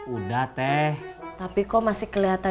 udah teh tapi kok masih kelihatan